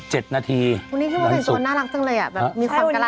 วันนี้ที่วันสุดน่ารักจังเลยอ่ะมีความกระลักษณ์